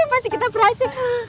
pasti kita beraceh